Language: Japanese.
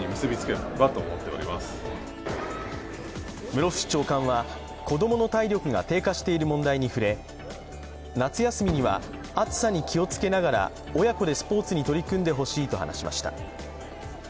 室伏長官は、子供の体力が低下している問題に触れ夏休みには暑さに気をつけながら親子でスポーツに取り組んでほしいと話しました。